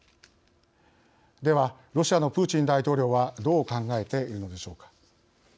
では、ロシアのプーチン大統領はどう考えているのでしょうか。